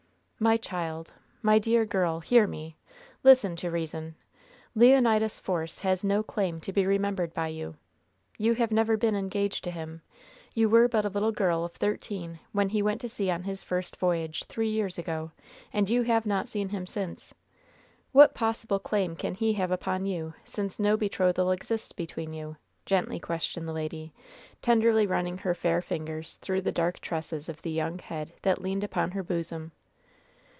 "My child, my dear girl, hear me! Listen to reason! Leonidas Force has no claim to be remembered by you. You have never been engaged to him. You were but a little girl of thirteen when he went to sea on his first voyage, three years ago, and you have not seen him since. What possible claim can he have upon you, since no betrothal exists between you?" gently questioned the lady, tenderly running her fair fingers through the dark tresses of the young head that leaned upon her bosom.